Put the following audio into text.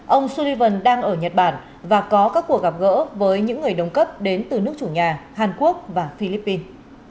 ông sullivan đang ở nhật bản và có các cuộc gặp gỡ với những người đồng cấp đến từ nước chủ nhà hàn quốc và philippines